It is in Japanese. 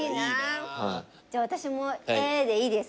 じゃあ私もＡでいいですか？